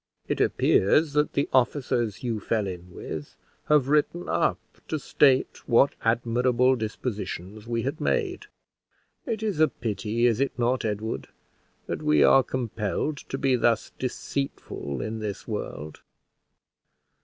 It appears that the officers you fell in with have written up to state what admirable dispositions we had made. It is a pity, is it not, Edward, that we are compelled to be thus deceitful in this world?